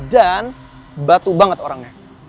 dan batu banget orangnya